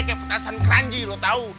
kayak petasan keranji lo tau